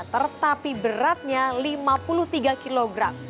tetapi beratnya lima puluh tiga kg